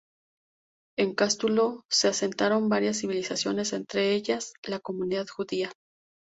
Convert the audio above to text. En Cástulo se asentaron varias civilizaciones, entre ellas, la comunidad judía.